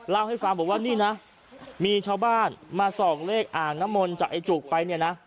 เล่าให้ฟังบอกว่านี่นะมีชาวบ้านมาส่องเลขอ่างน้ำมนต์จากไอ้จุกไปเนี่ยนะ